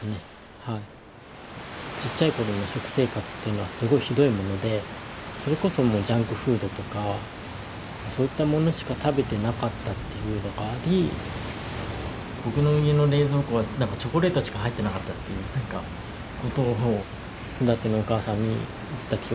ちっちゃい頃の食生活っていうのはすごいひどいものでそれこそもうジャンクフードとかそういったものしか食べてなかったっていうのがあり僕の家の冷蔵庫は何かチョコレートしか入ってなかったっていうことを育てのお母さんに言った記憶はありますね。